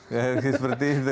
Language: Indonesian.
ya seperti itu